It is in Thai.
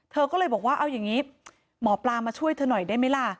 เธอก็เลยบอกว่าเอาอย่างนี้หมอปลามาช่วยเธอหน่อยได้ไหมล่ะ